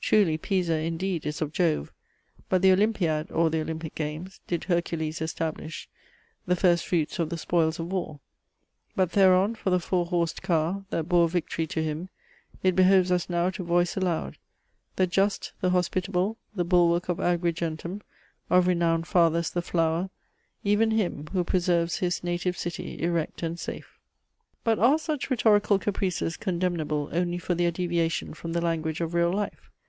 Truly Pisa indeed is of Jove, But the Olympiad (or the Olympic games) did Hercules establish, The first fruits of the spoils of war. But Theron for the four horsed car, That bore victory to him, It behoves us now to voice aloud: The Just, the Hospitable, The Bulwark of Agrigentum, Of renowned fathers The Flower, even him Who preserves his native city erect and safe." But are such rhetorical caprices condemnable only for their deviation from the language of real life?